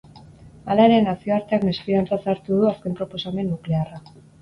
Hala ere, nazioarteak mesfidantzaz hartu du azken proposamen nuklearra.